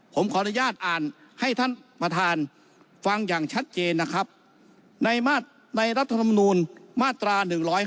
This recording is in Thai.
ผมขออนุญาตอ่านให้ท่านประธานฟังอย่างชัดเจนนะครับในรัฐธรรมนูลมาตรา๑๕